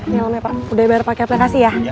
ya ampun ya pak udah bayar pakai aplikasi ya